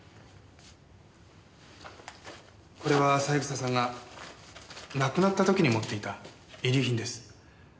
これは三枝さんが亡くなった時に持っていた遺留品です。